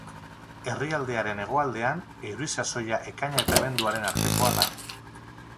Herrialdearen hegoaldean euri sasoia ekaina eta abenduaren artekoa da.